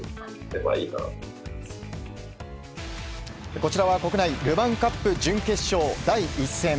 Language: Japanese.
こちらは国内ルヴァンカップ準決勝第１戦。